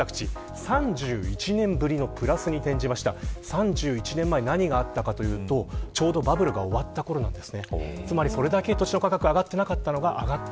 ３１年前、何があったかというとちょうどバブルが終わったころです。